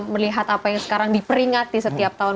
melihat apa yang sekarang diperingati setiap tahun